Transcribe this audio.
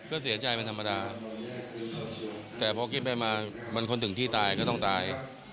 ก็เสียใจเป็นธรรมดาแต่พอคิดไปมามันคนถึงที่ตายก็ต้องตาย